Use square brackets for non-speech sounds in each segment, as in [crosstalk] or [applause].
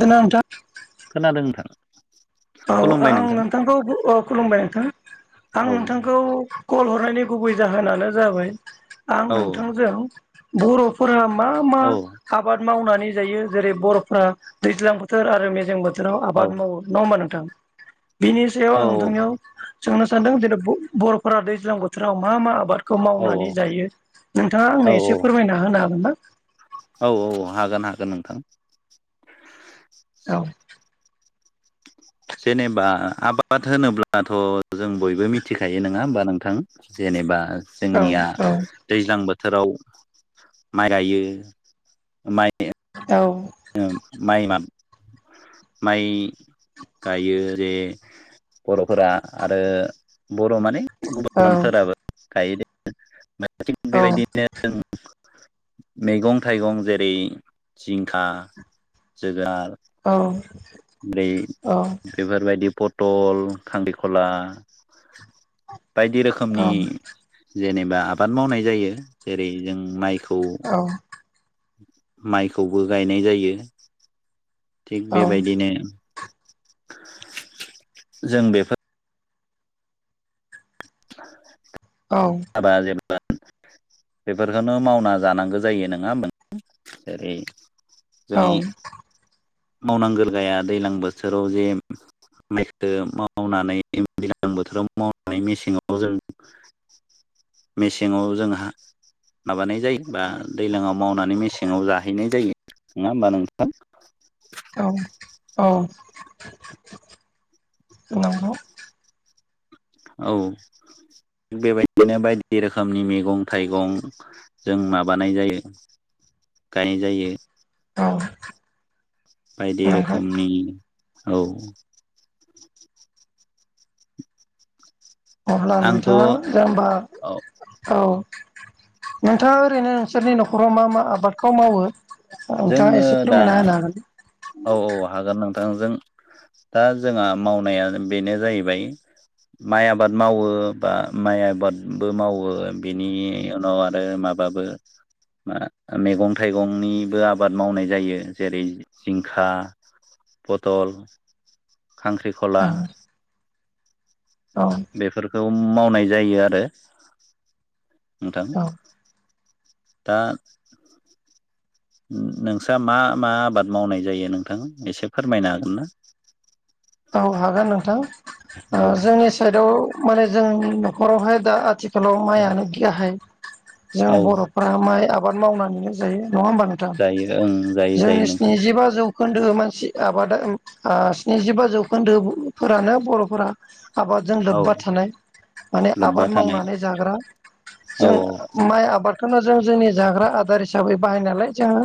खोनादोंना [inaudible] खोनादों नोंथां। औ खुलुमबाय आं नोंथां नोंथांखौ ओ खुलुमबाय नोंथां आं औ नोंथांखौ कल हरनायनि गुबै जाहोनानो जाबाय आं औ नोंथांजों बर'फोरा मा मा औ आबाद मावनानै जायो जेरै बर'फ्रा दैज्लां बोथोर आरो मेेजें बो थोराव औ आबाद मावो नङा होमबा नोंथां? बिनि सायाव औ आं नोंथांनियाव सोंनो सानदों दिनै ब-बर'फोरा दैज्लां बोथोराव मा मा आबादखौ औ मावनानै जायो नोंथाङा आंनो औ एसे फोरमायना होनो हागोन ना? औ औ हागोन हागोन नोंथां। औ जेनेबा आबाद होनोब्लाथ' जों बयबो मिथिखायो नङा होमबा नोंथां। जेनेबा औ जोंनिया दैज्लां बोथोराव माइ गायो माइ। औ माइ मा माइ गायो जे बर'फोरा आरो बर' माने औ गुबुनफोराबो गायो। थिग बेबायदिनो जों मैगं थाइगं जेरै जिंखा जोगोनार औ बे बेफोरबायदि पट टल खांखिखला बायदि औ रोखोमनि जेने बा आबाद मावनाय जायो जेरै जों माइखौ औ माइखौबो गायनाय जायो थिग औ बेबायदिनो जों बेफोर औ [unintelligible] बेफोरखौनो मावना जानांगौ जायो नङा होनबा नों जेरै औ जोंनि मावनांगौ गाया दैज्लां बोथोराव जे माइखो मावनानै दैज्लां बोथोराव मावनानै मेसेङाव जों मेसेङाव जोंहा माबानाय जायो बा दैलाङाव मावनानै मेसेङाव जाहैनाय जायो नङा होमबा नोंथां? औ औ नंगौ औ बेबायदिनो बायदि रोखोमनि मैगं थाइगं जों माबानाय जायो गायनाय जायो औ बायदि नंगौ रोखोमनि औ। अब्ला आंथ' नोंथाङा औ जे होमबा औ। नोंथाङा ओरैनो नोंसोरनि न'खराव मा मा आबादखौ मावो? नोंथाङा जोङो एसे दा फोरमायना होनो हागोन। औ औ हागोन नोंथां जों दा जोंहा मावनाया बेनो जाहैबाय माइ आबाद मावो बा माइ आबादबो मावो बेनि उनाव आरो मा बाबो मा- मैगं थाइगंनिबो आबाद मावनाय जायो जेरै जिंखा फथल खांख्रिखला हागोन औ बेफोरखौ मावनाय जायो आरो। नोंथां औ दा नोंस्रा मा मा आबाद मावनाय जायो नोंथां एसे फोरमायनो हागोन ना? [inaudible] औ हागोन नोंथां ओ औ जोंनि साइदआव माने जोंनि न'खरावहाय दा आथिखालाव माइयानो गाहाय। जों औ बर'फ्रा माइ आबाद मावनानैनो जायो। नङा होमबा नोंथां जायो ओं जायो जायो जोंनि नोंथां स्निजिबा जौ खोन्दो मानसि आबादा आ स्निजिबा जौखोन्दो फोरानो बर'फोरा आबादजों औ लोब्बा थानाय माने लोब्बा आबाद थानाय मावनानै जाग्रा। औ जों माइ आबाद खौनो जों जोंनि जाग्रा आदार हिसाबै बाहाय नालाय जोंङो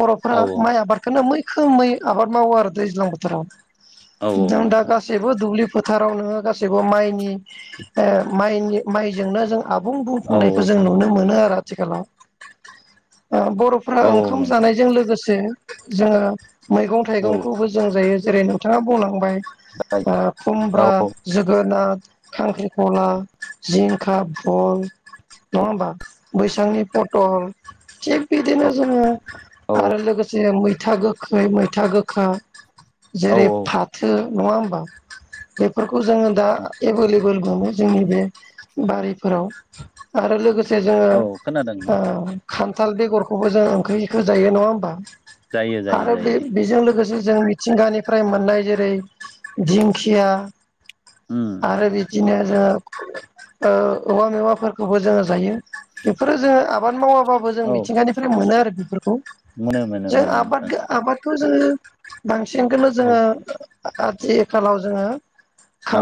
बर'फोरा औ माइ आबादखौनो मै खोमै आबाद मावो आरो दैज्लां बोथोराव औ जों दा नोंथां गासैबो दुब्लिफोर फोथाराव नोङो गासैबो माइनि ओ माइनि माइजोंनो जों आबुं औ बुंफुंनायखौ जों नुनो मोनो आरो आथिखालाव ओ बर'फ्रा औ ओंखाम नोंथां जानायजों लोगोसे जोङो मैगं औ थाइगंखौबो जों जायो जेरै नोंथाङा बुंलां बाय ओ औ खुमब्रा जोगो नाद, खांख्रिखला, जिंखा, बहल नङा होमबा बैसांनि पथल थिग बिदिनो जोङो औ आरो लोगो से मैथा गोखै, मैथा गोखा औ औ जेरै फाथो नङा होमबा बेफोरखौ जोङो दा एभोल एबोल मोनो जोंनि बे बारिफोराव आरो लोगोसे औ खोनादों जोङो खान्थाल बेगरखौबो जों ओंख्रिखौ जायो नङा होमबा जायो जायो आरो बे जायो बेजों लोगोसे जों मिथिंगानिफ्राय मोननाय जे बै दिंखिया उम आरो बिदिनो जोङो औवा मेवाफोरखौबो जोङो जायो बेफोरो जोङो आबाद मावा बाबो जों औ मिथिंगानिफ्राय मोनो आरो बेफोरखौ मोनो मोनो जों मोनो नोंथां आबाद आबादखौ जोङो बांसिनखौनो औ जोङो आथिखालाव जोङो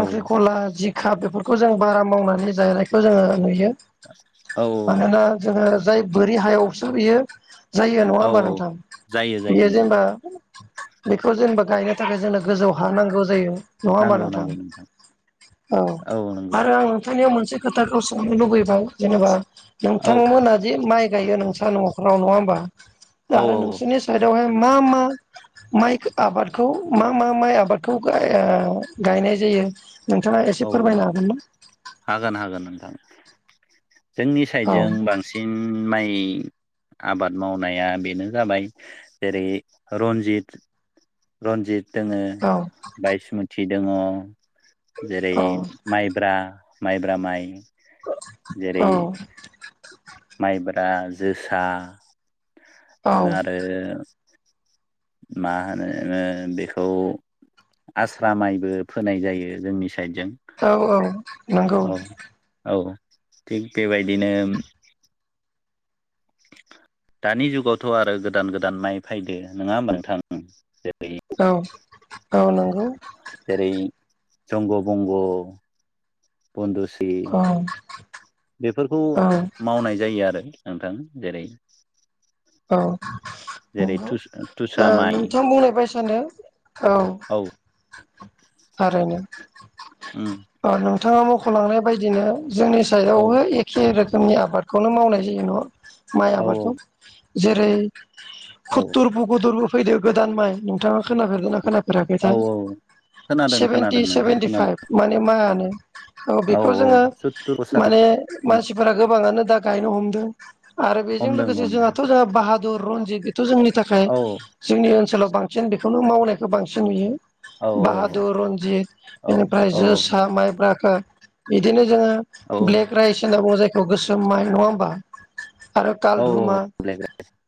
औ जिखा बेफोरखौ जों बारा मावनानै जानायखौ जोङो नुयो औ मानोना जोङो जाय बोरि हायावसो बियो जायो नङा औ होमबा नोंथां जायो जायो बेयो नोंथां जेनबा बेखौ जेनबा गायनो थाखाय जोंनो गोजौ हा नांगौ जायो नङा होमबा नांगौ नोंथां नांगौ औ आरो आं नोंथांनियाव मोनसे खोथाखौ सोंनो लुुबैबाय जेनेबा औ नोंथांमोना जे माइ गायो नों न'खाव नङा होनबा औ आरो औ नोंनि साइडआव हाय मा मा माइ आबादखौ मा मा माइ आबादखौ ओ गायनाय जायो। नोंथाङा एसे औ फोरमायनो हागोन ना। हागोन हागोन नोंथां जोंनि साइडजों बांसिन माइ नि आबाद मावनाया बेनो जाबाय जेरै रनजित रन्जित दङो औ बायसमुथि दङ जेरै औ माइब्रा माइब्रा माइ जेरै औ माइब्रा जोसा औ आरो मा होनो नोङो बेखौ आस्रा माइबो फोनाय जायो जोंनि साइडजों औ औ नंगौ औ औ थिग बेबायदिनो दानि जुगावथ' आरो गोदान गोदान माइ फैदो नङा होनबा नोंथां। जेरै औ औ नंगौ जेरै जंग' बंग', बनदुसि औ बेफोरखौ औ मावनाय जायो आरो नोंथां जेरै औ जेरै नंगौ तुसा माइ नोंथां बुंनाय बाय होनदो औ थारैनो उम नोंथाङा मख'लांनाय बायदिनो जोंनि औ साइडबो एखे रोखोम खोमनि आबादखौनो मावनाय जायो न माइ औ आबादखौ जेरै औ खुथुर बुगुदरबो फैदो गोदान माइ नोंथाङा खोनाफेरदों ना औ खोनाफेराखैथाय औ खोनादों खोनादों सेभेनटि नोंथां सेभेनटि फाइभ खोनादों माने माइआ नो औ बेखौ जोङो माने मानसिफोरा गोबाङानो दा गायनो हमदों आरो बेजों हमदों लोगोसे जोंहा हमदों बाहादुर, रनजित बोथ' जोंनि थाखाय औ जोंनि ओनसोलाव बांसिन बेखौनो मावनायखौ बांसिन नुयो औ बाहादुर, रनजित औ बेनिफ्राय औ जोसा, माइब्राखो बिदिनो औ जोङो ब्लेक राइस होनना बुङो जायखौ गोसोम माय नङा होमबा आरो औ तालधुमा औ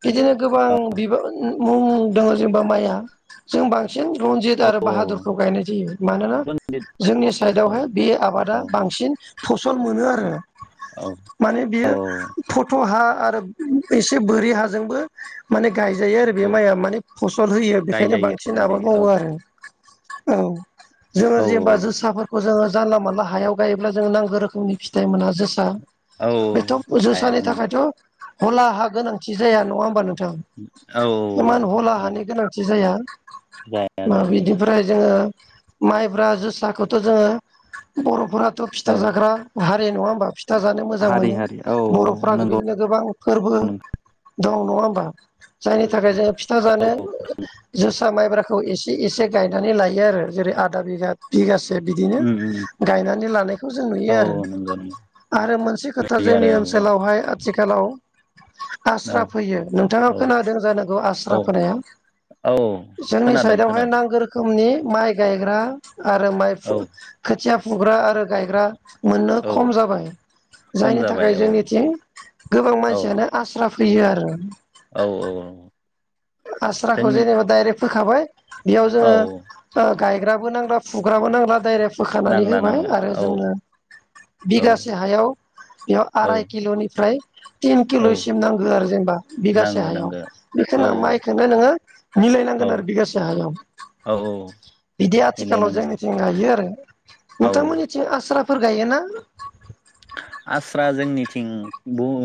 बिदिनो गोबां बिबो मुं दङ जेनेबा माइया जों बांसिन सिन रनजित आरो औ बाहादुरखौ गायनाय जायो मानोना रनजित जोंनि औ औ साइडआवहाय बे आबादा औ बांसिन फसल मोनो आरो औ माने बियो औ फथ' हा आरो [unintelligible] बोरि हाजोंबो माने गायजायो आरो बे माइया माने फसल होयो बेखायनो गायजायो बांसिन आबाद गायजायो मावो आरो। औ जोङो औ औ जेनेबा जोसाफोरखौ जोङो जानला मानला हायाव गायोब्ला जों नांगौ रोखोमनि फिथाइ मोना जोसा औ बेथ' हाया जोसानि थाखायथ हला हा गोनांथि जाया नङा होमबा नों थां औ इमान हला औ हानि गोनांथि जाया। जाया जाया नोंथां बिनिफ्राय जोङो माइब्रा जोसाखौथ जोङो बर'फोराथ औ फिथा जाग्रा हा रि नङा होमबा फिथा जानो मोजां हारि मोनो हारि औ बर'फोरा नंगौ बिदिनो गोबां फोरबो नों दं नङा होमबा जायनि थाखाय जोङो फिथा औ जानो जोसा माइब्राखौ एसे एसे गायनानै लायो आरो जेरै आदा बिगा बिगा से बिदिनो गायनानै लानायखौ जों नुयो औ आरो। नंगौ नंगौ आरो मोनसे खोथा नुयो जोंनि आरो ओनसोलावहाय आथिखालाव औ आस्रा फैयो नोंथाङा औ खोनादों जानांगौ आस्रा औ फोनाया? औ जोंनि खोनादों साइडआवहाय खोनादों नांगौ रोखोमनि माइ गायग्रा आरो माइ औ खोथिया फुग्रा आरो गायग्रा मोननो औ खम जाबाय खम जायनि जाबाय थाखाय औ जोंनिथिं गोबां औ मानसियानो आस्रा फैयो आरो। औ औ आस्राखौ जोंनि जेनेबा डाइरेक्ट फोखाबाय बेयाव औ जोङो ओ गायग्राबो नांला फुग्राबो नांला डायरेक्ट फोखानानै नांला होबाय नांला आरो औ जोंनो औ बिगासे हायाव बेयाव औ आराय किल'निफ्राय तिन औ किल'सिम नांगौ आरो जेनेबा बिगासे नांगो हायाव नांगो औ बेखौनो आं माइ खौनो नोङो औ मिलायनांगोन आरो बिगासे हायाव। औ औ बिदि आथिखालाव मिलायनांगौ जोंनिथिं गायो आरो। औ नोंथांमोननिथिं आस्राफोर गायो ना? [unintelligible] आस्रा जोंनिथिं बहु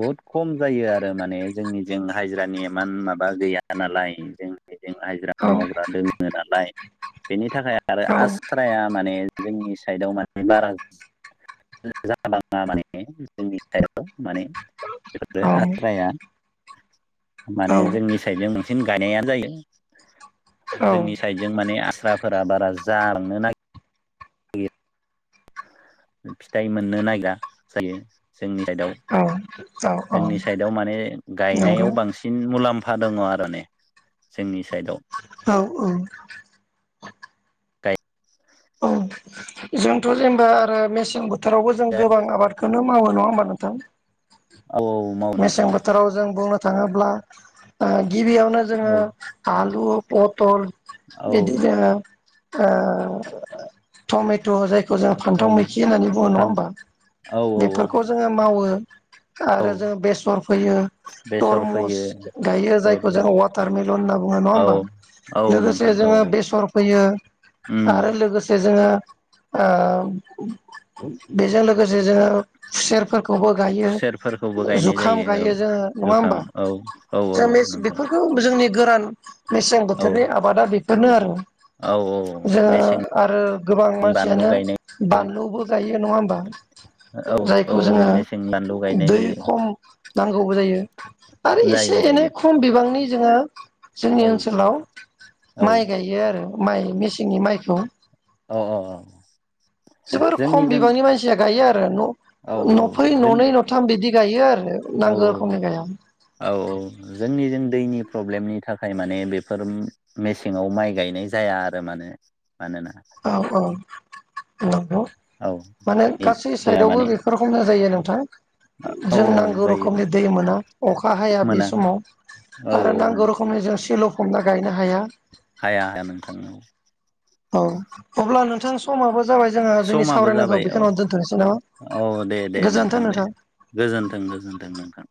बहुत खम जायो आरो माने जोंनिथिं हाजिरानि इमान माबा गैया नालाय जों [unintelligible] हायज्रा औ मावग्रा दोङो नालाय बेनि थाखाय आरो औ आस्राया माने जोंनि साइडआव माने बारा जा बाङा माने जोंनि साइडआव। माने बेफोर औ आस्राया औ माने जोंनि साइडजों बांसिन गायनायानो जायो औ जोंनि साइडजों माने आस्राफोरा बारा जालांनो ना फिथाइ मोननो नायगिरा जायो। जोंनि साइदआव औ औ औ जोंनि साइडआव माने नंगौ गायनायाव बांसिन मुलाम फा दङ आरो ने जोंनि साइडआव औ औ गाय औ जोंथ' जेनेबा आरो मेसें बोथोरावबो जों गोबां आबादखौनो मावो नङा होमबा नोंथां? औ औ मावो मेसें नोंथां बोथोराव जों बुंनो थाङोब्ला गिबियावनो जोङो औ आ लु पथल औ बिदिनो जोङो ओ टमेट' जायखौ जोङो फान्थाव दं मैखि होननानै बुङो नङा फान होमबा? औ औ बेफोरखौ जोङो मावो औ आरो जों बेसर फैयो बेसर तरमुस फैयो गायो जायखौ जोंङो वाटारमेलन होनना बुङो नङा औ होमबा? औ लोगोसे नोंथां औ जोङो औ बेसर फैयो उम आरो लोगोसे जों ङो ओ बेजों लोगोसे जोङो खुसेरफोरखौबो गायो खुसेरफोरखौबो गायनाय जुखाम जायो गायो औ जोङो नङा जुखाम होमबा औ औ औ जों [unintelligible] नोंथां बेफोरखौ जों नि गोरान मेसें औ बोथोरनि आबादा बेफोरनो आरो। औ औ जोङो मेसेंनि आरो गोबां बानलु मानसियानो गायनाय बानलुबो गायो नङा होमबा? औ औ जायखौ जोङो मेसेंनि बानलु गायनाय दै जायो खम नांगौबो जायो आरो एसे जायो एनै जायो खम बिबांनि जोङो जोंनि औ ओनसोलाव औ माइ गायो आरो। माइ मेसेंनि माइखौ। अ अ अ। जोबोर खम बिबांनि मानसिया गायो आरो। औ न'-नफै औ जों ननै न'थाम बिदि गायो आरो। औ नांगौ औ। रोखोमनि गाया औ औ जोंनि जों दैनि प्रब्लेमनि थाखाय माने बेफोर मेसेंआव माइ गायनाय जाया आरो माने। मानोना औ औ नोंथां। औ माने गासै दैया साइदआवबो माने बेफोरखौ मावनाय जायो नोंथां। औ औ जों नांगौ जायो रोखोमनि दै मोना अखा हाया बे मोना समाव। औ आरो नांगौ रोखोमनि जों सिल'फबना गायनो हाया। हाया हाया नोंथां औ। औ अब्ला नोंथां समाबो जाबाय जोंहा जोंनि समाबो सावरायनायखौ जाबाय औ बेखिनावनो दोनथनोसै नामा? औ दे दे नोंथां दे। गोजोनथों गोजोनथों नोंथां।